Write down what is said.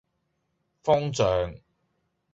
方丈